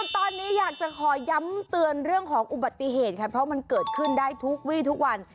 ตอนนี้อยากจะขอย้ำเตือนเรื่องของอุบัติเหตุค่ะเพราะมันเกิดขึ้นได้ทุกวีทุกวัน